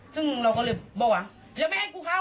ซึ่งเราก็เลยบอกว่ายังไม่ให้กูเข้า